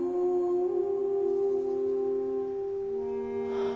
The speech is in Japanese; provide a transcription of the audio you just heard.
はあ。